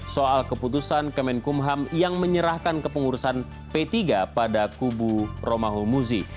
soal keputusan kemenkumham yang menyerahkan kepengurusan p tiga pada kubu roma humuzi